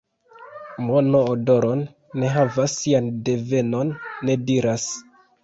Mono odoron ne havas, sian devenon ne diras.